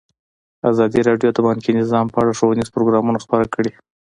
ازادي راډیو د بانکي نظام په اړه ښوونیز پروګرامونه خپاره کړي.